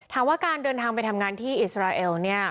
ถามว่าการเดินทางไปทำงานที่อิสราเอลเนี่ย